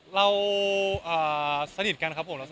เราสนิทกันครับผม